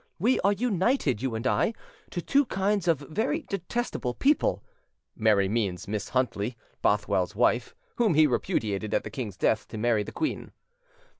We are united, you and I, to two kinds of very detestable people [Mary means Miss Huntly, Bothwell's wife, whom he repudiated, at the king's death, to marry the queen.